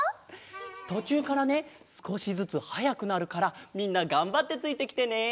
とちゅうからねすこしずつはやくなるからみんながんばってついてきてね！